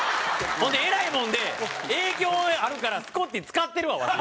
ほんでえらいもんで影響あるからスコッティ使ってるわわし。